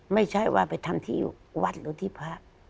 ไม่ใช่ว่าไปทำที่อยู่วัดหรือที่พระ